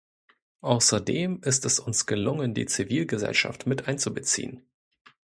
Außerdem ist es uns gelungen, die Zivilgesellschaft mit einzubeziehen.